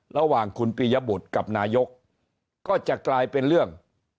ระหว่างคุณปียบุตรกับนายกก็จะกลายเป็นเรื่อง